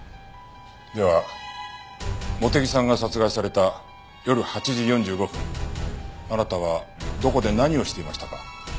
では茂手木さんが殺害された夜８時４５分あなたはどこで何をしていましたか？